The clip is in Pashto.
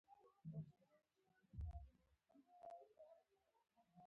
آیا د پښتنو په کلتور کې دین او دنیا دواړه مهم نه دي؟